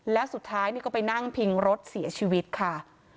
แล้วสุดท้ายนี่ก็ไปนั่งพิงรถเสียชีวิตค่ะ